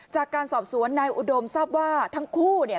จากการสอบสวนนายอุดมทราบว่าทั้งคู่เนี่ย